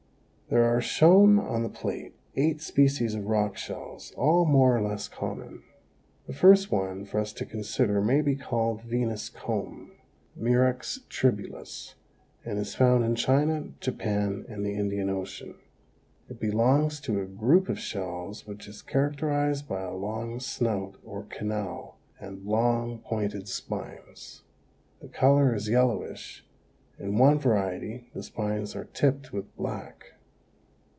There are shown on the plate eight species of rock shells, all more or less common. The first one for us to consider may be called Venus' Comb, (Murex tribulus) and is found in China, Japan and the Indian Ocean. It belongs to a group of shells which is characterized by a long snout or canal, and long, pointed spines. The color is yellowish; in one variety the spines are tipped with black.